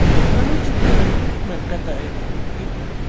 ¿Manachum kanan huk malkata aywakunki?